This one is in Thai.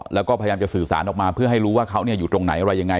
แล้วก็พยายามจะสื่อสารออกมาเพื่อให้รู้ว่าเขาอยู่ตรงไหนอะไรยังไง